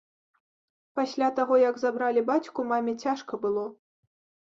Пасля таго, як забралі бацьку, маме цяжка было.